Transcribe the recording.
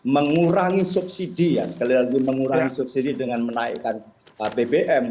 mengurangi subsidi ya sekali lagi mengurangi subsidi dengan menaikkan bbm